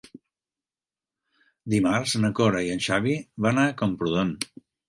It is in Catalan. Dimarts na Cora i en Xavi van a Camprodon.